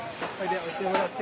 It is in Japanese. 置いてもらって。